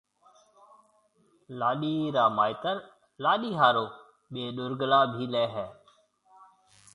لاڏيِ را مائيتر لاڏيِ هارون ٻي ڏورگلا بي ليَ هيَ۔